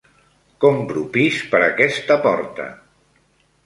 Compro pis per aquesta porta.